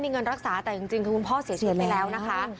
มีเงินรักษาแต่จริงคือคุณพ่อเสียชีวิตไปแล้วนะคะ